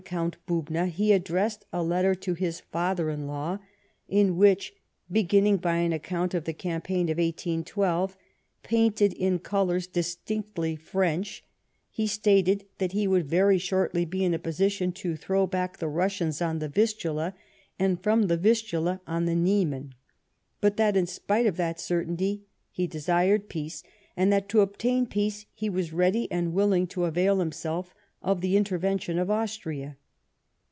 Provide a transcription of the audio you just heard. Count Bubna, he addressed a letter to his father in law, in which, beginning by an account of the campaign of 1812 painted in colours dis tinctly French, he stated that he would very shortly be in a position to throw back the Kussians on the Vistula and from the Vistula on the Niemen ; but that, in spite of that certainty, he desired peace, and that to obtain peace, he was ready and willing to avail himself of the intervention of Austria.